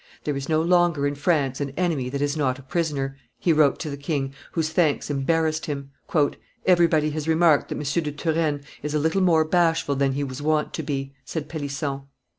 "There is no longer in France an enemy that is not a prisoner," he wrote to the king, whose thanks embarrassed him. "Everybody has remarked that M. de Turenne is a little more bashful than he was wont to be," said Pellisson.